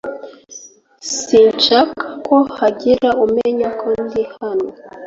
Sinshaka ko hagira umenya ko ndi hano.